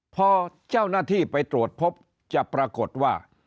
พอเจ้าหน้าที่ไปตรวจพบจะปรากฏว่า